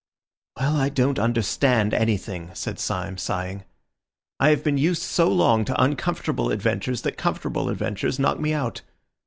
"Well, I don't understand anything," said Syme, sighing. "I have been used so long to uncomfortable adventures that comfortable adventures knock me out.